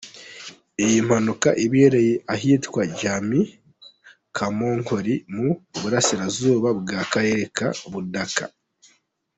Iyi mpanuka ibereye ahitwa Jami, Kamonkoli mu burasirazuba bw’akarere ka Budaka.